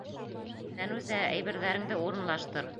Фәнүзә, әйберҙәреңде урынлаштыр!